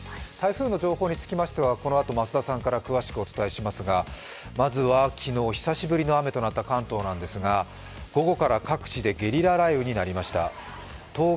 台風の情報につきましてはこのあと増田さんから詳しく伝えてもらいますがまずは昨日、久しぶりの雨となった関東なんですが、午後から各地でゲリラ雷雨になりました。